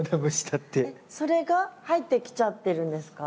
えっそれが入ってきちゃってるんですか？